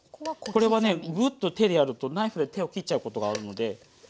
これはねグッと手でやるとナイフで手を切っちゃうことがあるので。